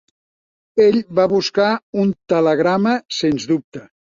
Ell va buscar un telegrama, sens dubte.